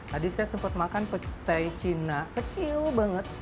tadi saya sempat makan petai cina acu banget